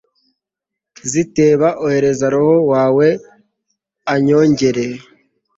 ziteba, ohereza roho wawe anyongere